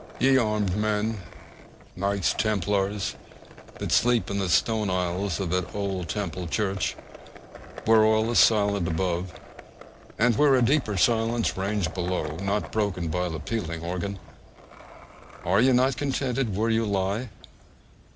Ye armed men, knights templars, that sleep in the stone aisles of that old Temple church, where all is silent above, and where a deeper silence reigns below (not broken by the pealing organ), are ye not contented where ye lie?